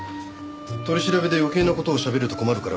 取り調べで余計な事をしゃべると困るから。